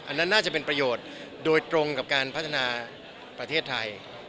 อันนั้นน่าจะเป็นประโยชน์โดยตรงกับการพัฒนาประเทศไทย